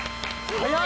早い！